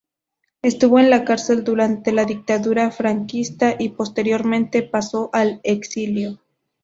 Estuvo en la cárcel durante la dictadura franquista y posteriormente pasó al exilio.